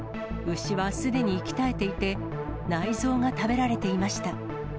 牛はすでに息絶えていて、内臓が食べられていました。